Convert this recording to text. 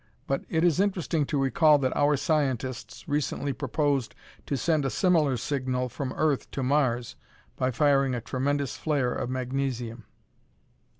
But it is interesting to recall that our scientists recently proposed to send a similar signal from Earth to Mars by firing a tremendous flare of magnesium.